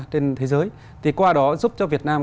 trên thế giới thì qua đó giúp cho việt nam